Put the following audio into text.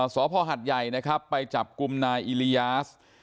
สพหัดใหญ่นะครับไปจับกลุ่มนายอิริยาส